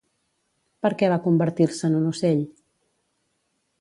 Per què va convertir-se en un ocell?